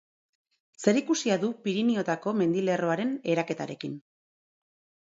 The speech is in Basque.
Zerikusia du Pirinioetako mendilerroaren eraketarekin.